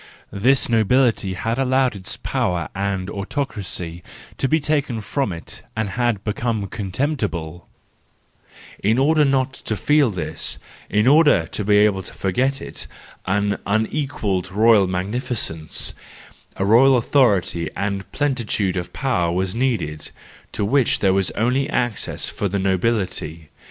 This nobility had allowed its power and autocracy to be taken from it, and had become contemptible: in order not to feel this, in order to be able to forget it, an un¬ equalled royal magnificence, royal authority and plenitude of power was needed, to which there was access only for the nobility.